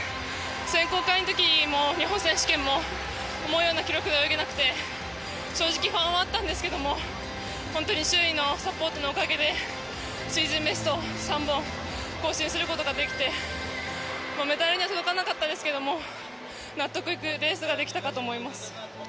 選考会の時も日本選手権も思うような記録で泳げなくて正直、不安はあったんですけど周囲のサポートのおかげでシーズンベストを３本更新することができてメダルには届かなかったですけど納得いくレースができたかと思います。